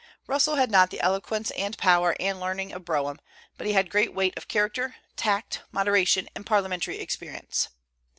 Russell had not the eloquence and power and learning of Brougham; but he had great weight of character, tact, moderation, and parliamentary experience.